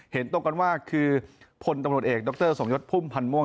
เห็นตรงกันว่าคือพลตำรวจเอกดรสมยศพุ่มพันธ์ม่วง